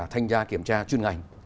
thanh gia kiểm tra chuyên ngành